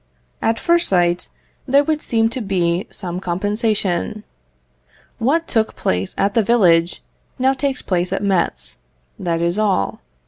At first sight, there would seem to be some compensation. What took place at the village, now takes place at Metz, that is all.